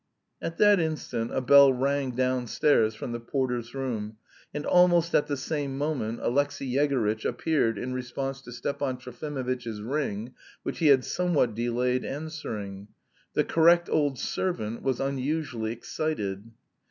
At that instant a bell rang downstairs from the porter's room, and almost at the same moment Alexey Yegorytch appeared in response to Stepan Trofimovitch's ring, which he had somewhat delayed answering. The correct old servant was unusually excited.